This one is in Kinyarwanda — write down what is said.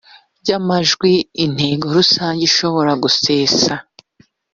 by amajwi inteko rusange ishobora gusesa